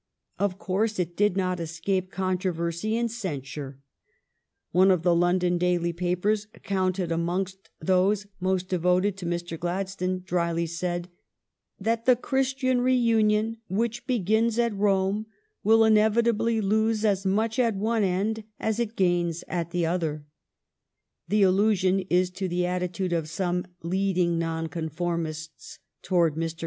Of course it did (Fr™.phmoBt, phbyR««ii4So«) ^^j escapc Con troversy and censure. One of the London daily papers, counted amongst those most devoted to Mr. Gladstone, dryly said that " the Christian re union which begins at Rome will inevitably lose as much at one end as it gains at the other," The allusion is to the attitude of some leading Noncon formists toward Mr. Gladstone's letter.